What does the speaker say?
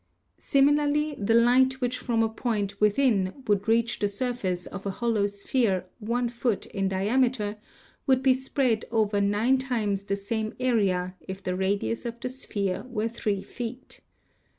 Similarly the light which from a point withirrf would reach the surface of a hollow sphere one foot in diameter would be spread over nine times the same area if the radius of the sphere were three feet.